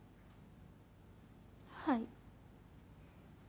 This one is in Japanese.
はい。